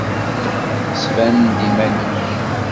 Sban-d iman-ik!